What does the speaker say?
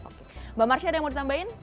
oke mbak marsya ada yang mau ditambahin